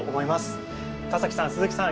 田崎さん鈴木さん